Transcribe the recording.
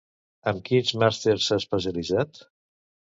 Amb quins màsters s'ha especialitzat?